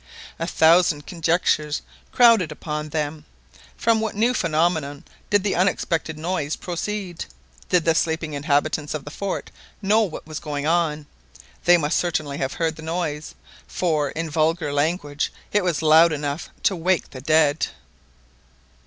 A thousand conjectures crowded upon them. From what new phenomenon did the unexpected noise proceed? Did the sleeping inhabitants of the fort know what was going on? They must certainly have heard the noise, for, in vulgar language, it was loud enough to wake the dead.